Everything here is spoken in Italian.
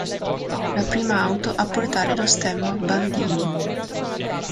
La prima auto a portare lo stemma Bandini.